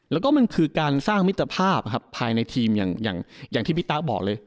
แล้วก็มันคือการสร้างมิตรภาพภายในทีมอย่างที่พี่ตะบอกเลย